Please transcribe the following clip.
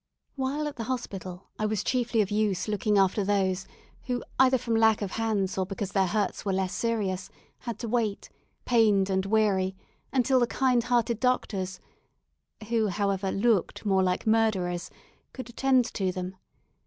While at the hospital I was chiefly of use looking after those, who, either from lack of hands or because their hurts were less serious, had to wait, pained and weary, until the kind hearted doctors who, however, looked more like murderers could attend to them.